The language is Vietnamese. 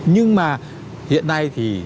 nhưng mà hiện nay thì